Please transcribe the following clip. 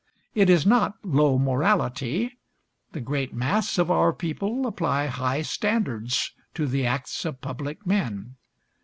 It is not low morality: the great mass of our people apply high standards to the acts of public men.